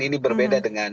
ini berbeda dengan